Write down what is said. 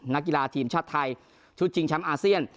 นักกีฬาทีมชาติไทยชุดชิงแชมป์อาเซียน